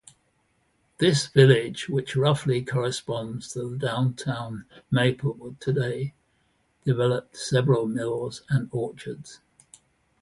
This village, which roughly corresponds to downtown Maplewood today, developed several mills and orchards.